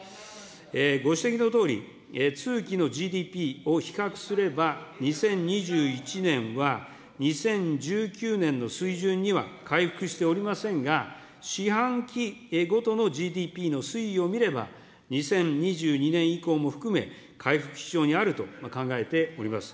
ご指摘のとおり、通期のＧＤＰを比較すれば、２０２１年は、２０１９年の水準には回復しておりませんが、四半期ごとのＧＤＰの推移を見れば、２０２２年以降も含め、回復基調にあると考えております。